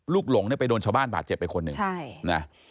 ลูกหลงไปโดนชาวบ้านบาดเจ็บไปคนหนึ่ง